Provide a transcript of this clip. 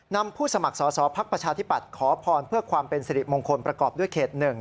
ผู้สมัครสอสอภักดิ์ประชาธิปัตย์ขอพรเพื่อความเป็นสิริมงคลประกอบด้วยเขต๑